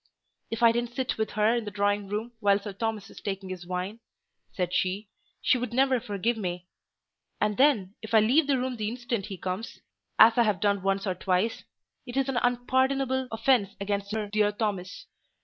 "If I didn't sit with her in the drawing room while Sir Thomas is taking his wine," said she, "she would never forgive me; and then, if I leave the room the instant he comes—as I have done once or twice—it is an unpardonable offence against her dear Thomas.